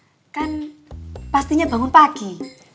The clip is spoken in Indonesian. loh iya memang kalau kerjaan itu ya harus dibagi bagi